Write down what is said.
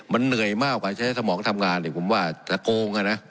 มันเหนื่อยมากกว่าใช้สมองทำงานผมว่าจะโกงอ่ะนะ